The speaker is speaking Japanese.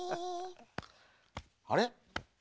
あれ？